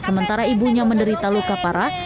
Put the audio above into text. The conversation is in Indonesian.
sementara ibunya menderita luka parah